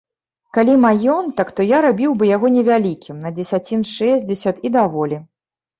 Калі маёнтак, то я рабіў бы яго невялікім, на дзесяцін шэсцьдзесят, і даволі.